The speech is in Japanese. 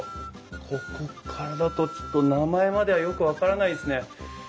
ここからだとちょっと名前まではよく分からないですね。